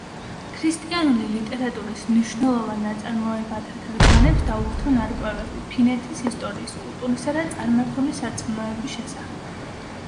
ქრისტიანული ლიტერატურის მნიშვნელოვან ნაწარმოებათა თარგმანებს დაურთო ნარკვევები, ფინეთის ისტორიის, კულტურისა და წარმართული სარწმუნოების შესახებ.